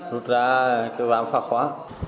rút ra cái vam phá khóa